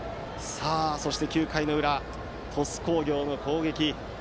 そして９回の裏、鳥栖工業の攻撃。